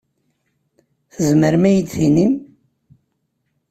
Tzemrem ad yi-d-tinim?